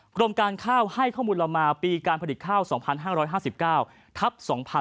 กรมการข้าวให้ข้อมูลเรามาปีการผลิตข้าว๒๕๕๙ทับ๒๕๕๙